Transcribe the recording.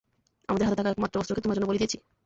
আমাদের হাতে থাকা একমাত্র অস্ত্রকে তোমার জন্য বলি দিয়েছি।